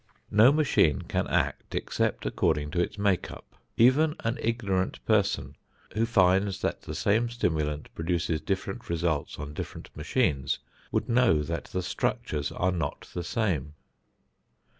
No machine can act except according to its make up. Even an ignorant person, who finds that the same stimulant produces different results on different machines, would know that the structures are not the same.